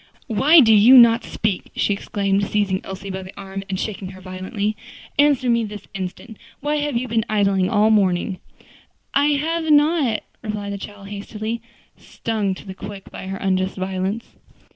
"Why do you not speak?" she exclaimed, seizing Elsie by the arm and shaking her violently. "Answer me this instant. Why have you been idling all the morning?" "I have not," replied the child hastily, stung to the quick by her unjust violence.